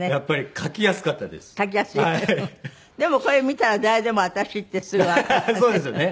でもこれ見たら誰でも私ってすぐわかるわね。